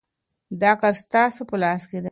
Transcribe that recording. دا کار ستاسو په لاس کي دی.